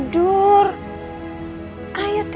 dia ya udah